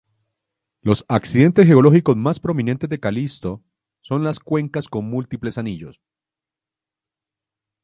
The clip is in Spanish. Los accidentes geológicos más prominentes de Calisto son las cuencas con múltiples anillos.